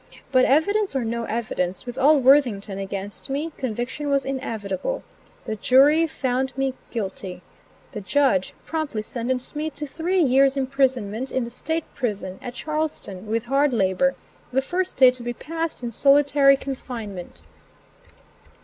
But, evidence or no evidence, with all Worthington against me, conviction was inevitable. The jury found me guilty. The judge promptly sentenced me to three years' imprisonment in the State Prison, at Charlestown, with hard labor, the first day to be passed in solitary confinement.